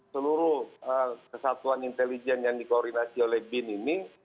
seluruh kesatuan intelijen yang dikoordinasi oleh bin ini